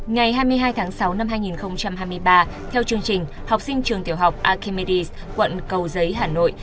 ngày hai mươi hai tháng sáu năm hai nghìn hai mươi ba theo chương trình học sinh trường tiểu học akimedi quận cầu giấy hà nội